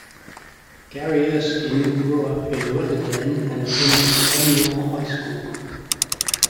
Gary Erskine grew up in Rutherglen and attended Stonelaw High School.